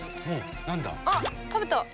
あっ食べた！